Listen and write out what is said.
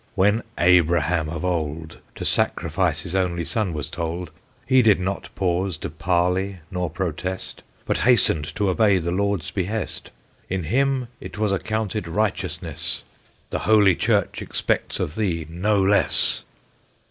when Abraham of old To sacrifice his only son was told, He did not pause to parley nor protest, But hastened to obey the Lord's behest. In him it was accounted righteousness; The Holy Church expects of thee no less!"